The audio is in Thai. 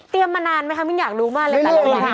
เตรียมมานานไหมคะพี่นิดอยากรู้มากเลย